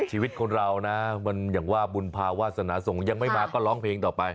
ชีวิตคนเรานะยังว่าบุญภาวาสนสงครชุยังไม่มาก็ร้องเพลงต่อไป